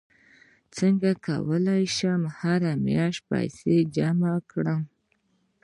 څنګه کولی شم هره میاشت پیسې جمع کړم